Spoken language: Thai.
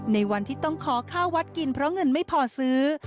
ในวันที่ต้องขอข้าววัดกินเพราะเงินไม่พอซื้อ